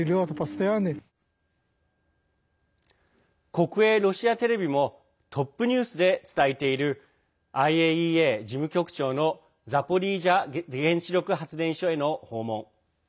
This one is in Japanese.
国営ロシアテレビもトップニュースで伝えているＩＡＥＡ事務局長のザポリージャ原子力発電所への訪問。